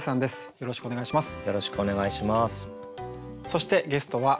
よろしくお願いします。